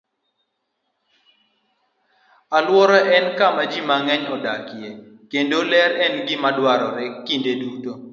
Alwora en kama ji mang'eny odakie, kendo ler en gima dwarore kinde duto.